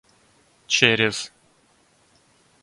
через